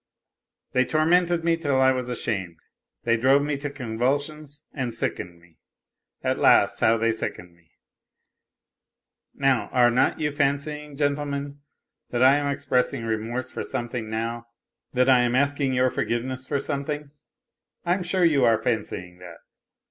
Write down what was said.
They tormented me till I was ashamed : they drove me to convulsions and 52 NOTES FROM UNDERGROUND sickened me, at last, how they sickened me ! Now, are not you fancying, gentlemen, that I am expressing remorse for some thing now, that I am asking your forgiveness for something 1 I am sure you are fancying that